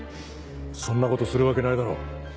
そんなことするわけないだろう。